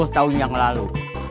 sepuluh tahun yang lalu